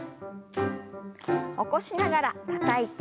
起こしながらたたいて。